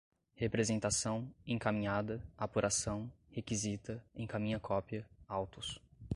representação, encaminhada, apuração, requisita, encaminha cópia, autos